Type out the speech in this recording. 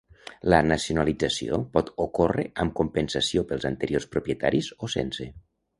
La nacionalització pot ocórrer amb compensació pels anteriors propietaris o sense.